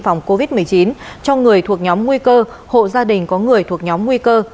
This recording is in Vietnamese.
phòng covid một mươi chín cho người thuộc nhóm nguy cơ hộ gia đình có người thuộc nhóm nguy cơ